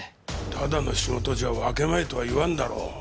ただの仕事じゃ分け前とは言わんだろう。